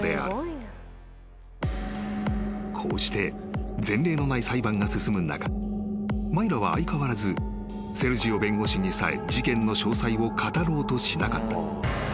［こうして前例のない裁判が進む中マイラは相変わらずセルジオ弁護士にさえ事件の詳細を語ろうとしなかった］